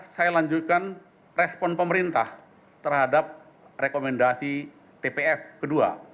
saya lanjutkan respon pemerintah terhadap rekomendasi tpf ke dua